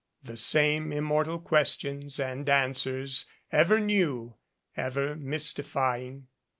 The same immortal questions and answers, ever new, ever mystifying!